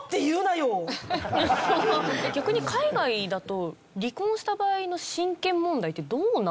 逆に海外だと離婚した場合の親権問題ってどうなってる？